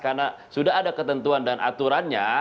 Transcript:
karena sudah ada ketentuan dan aturannya